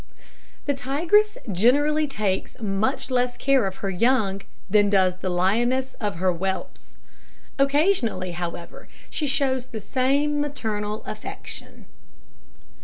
The tigress generally takes much less care of her young than does the lioness of her whelps. Occasionally, however, she shows the same maternal affection.